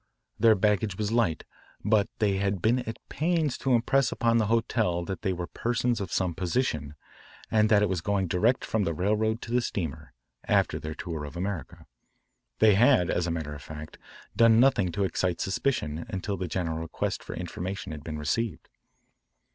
Their baggage was light, but they had been at pains to impress upon the hotel that they were persons of some position and that it was going direct from the railroad to the steamer, after their tour of America. They had, as a matter of fact, done nothing to excite suspicion until the general request for information had been received.